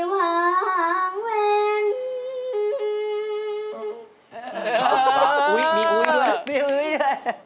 ห้าหังเว้น